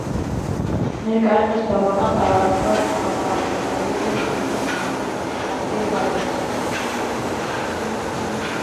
Ներկայումս բավական տարածված մարտարվեստներից են ձյուդոն, սամբոն, ըմբշամարտը և այլն։